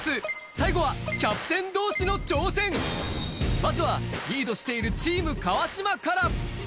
まずはリードしているチーム・川島から。